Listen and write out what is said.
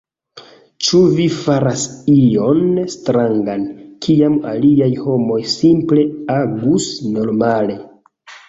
Ĉu vi faras ion strangan, kiam aliaj homoj simple agus normale.